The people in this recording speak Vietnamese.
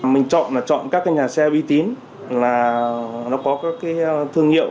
mình chọn là chọn các cái nhà xe uy tín là nó có các cái thương hiệu